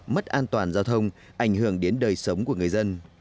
mất an toàn giao thông ảnh hưởng đến đời sống của người dân